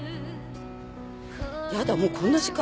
やだもうこんな時間。